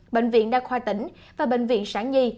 bệnh viện đa khoa tỉnh và bệnh viện sản nhi